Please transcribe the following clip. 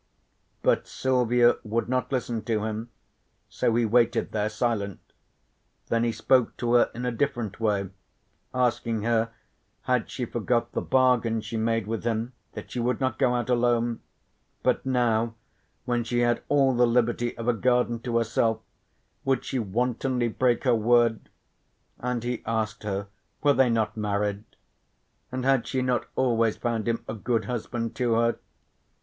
But Silvia would not listen to him, so he waited there silent. Then he spoke to her in a different way, asking her had she forgot the bargain she made with him that she would not go out alone, but now when she had all the liberty of a garden to herself would she wantonly break her word? And he asked her, were they not married? And had she not always found him a good husband to her?